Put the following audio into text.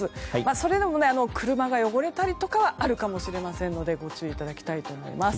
それでも車が汚れたりとかはあるかもしれませんのでご注意いただきたいと思います。